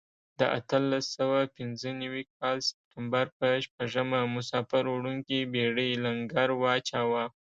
د اتلس سوه پنځه نوي کال سپټمبر په شپږمه مسافر وړونکې بېړۍ لنګر واچاوه.